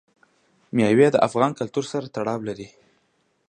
مېوې د افغان کلتور سره تړاو لري.